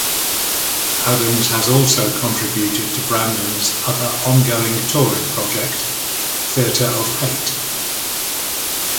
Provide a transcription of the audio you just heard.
Adams has also contributed to Brandon's other ongoing touring project, Theatre of Hate.